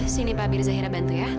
sini pak abir zahira bantu ya